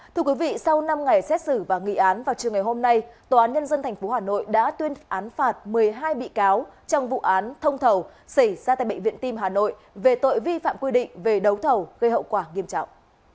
thưa quý vị sau năm ngày xét xử và nghị án vào chiều ngày hôm nay tòa án nhân dân tp hà nội đã tuyên án phạt một mươi hai bị cáo trong vụ án thông thầu xảy ra tại bệnh viện tim hà nội về tội vi phạm quy định về đấu thầu gây hậu quả nghiêm trọng